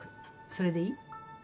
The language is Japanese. それでいい？